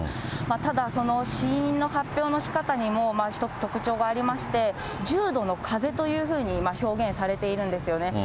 ただ、その死因の発表のしかたにも一つ特徴がありまして、重度のかぜというふうに、表現されているんですよね。